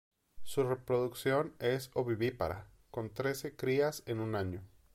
Su reproducción es ovovivípara, con trece crías en un año.